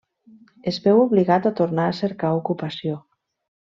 Es veu obligat a tornar a cercar ocupació.